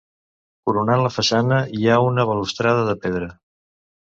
Coronant la façana hi ha una balustrada de pedra.